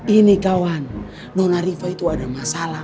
ini kawan nona riva itu ada masalah